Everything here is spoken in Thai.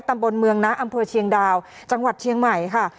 ตำบลเมืองนะอำเภอเชียงดาวจังหวัดเชียงใหม่ค่ะ